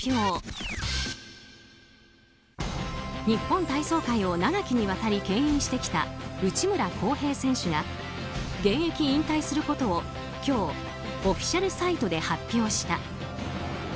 日本体操界を長きにわたり牽引してきた内村航平選手が現役引退することを今日、オフィシャルサイトで発表した。